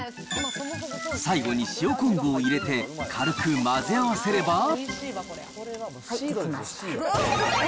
最後に塩昆布を入れて、軽く混ぜ合わせれば。